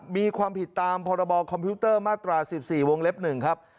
มีความผิดตามพรบคอมพิวเตอร์มาตรา๑๔วงเล็บ๑ครับ